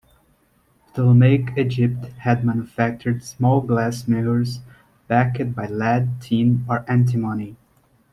Ptolemaic Egypt had manufactured small glass mirrors backed by lead, tin, or antimony.